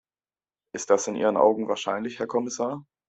Ist das in Ihren Augen wahrscheinlich, Herr Kommissar?